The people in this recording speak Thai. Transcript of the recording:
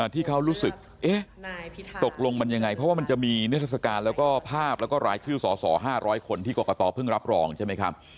ที่เขารู้สึกตกลงมันยังไงเพราะว่ามันจะมีนิทรศการแล้วก็ภาพแล้วก็รายชื่อสส๕๐๐คนที่กรกตเพิ่งรับรองใช่ไหมครับ